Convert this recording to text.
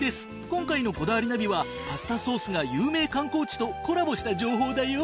今回の『こだわりナビ』はパスタソースが有名観光地とコラボした情報だよ。